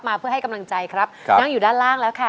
เพื่อให้กำลังใจครับนั่งอยู่ด้านล่างแล้วค่ะ